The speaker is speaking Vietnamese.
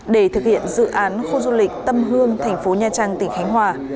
để thực hiện dự án khu du lịch tâm hương tp nha trang tỉnh khánh hòa